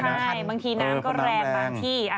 ใช่บางทีน้ำก็แรงบางที่